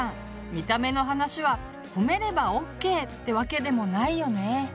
見た目の話は褒めればＯＫってわけでもないよね。